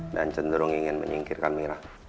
dan cenderung ingin menyingkirkan mira